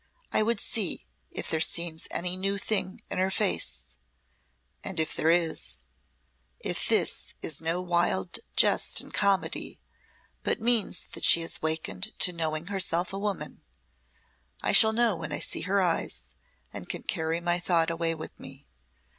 I would see if there seems any new thing in her face, and if there is if this is no wild jest and comedy, but means that she has wakened to knowing herself a woman I shall know when I see her eyes and can carry my thought away with me.